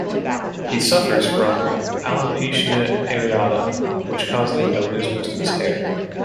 He suffers from alopecia areata, which caused him to lose most of his hair.